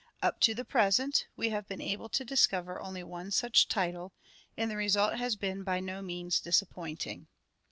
Up to the present we have been able to discover only one such title, and the result has been by no means disappointing.